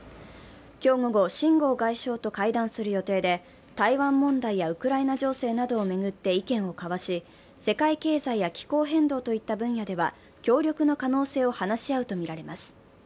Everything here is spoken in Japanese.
今日午後、秦剛外相と会談する予定で台湾問題やウクライナ情勢などを巡って意見を交わし世界経済や気候変動といった分野では協力の可能性を話し合うとみられます。